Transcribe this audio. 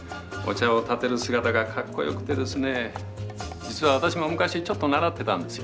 実は私も昔ちょっと習ってたんですよ。